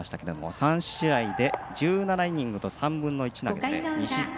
３試合で１７イニングと３分の１投げて２失点。